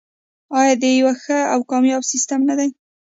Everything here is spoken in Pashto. آیا د یو ښه او کامیاب سیستم نه دی؟